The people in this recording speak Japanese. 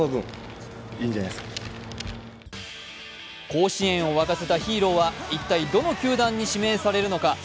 甲子園を沸かせたヒーローは一体どの球団に指名されるのか。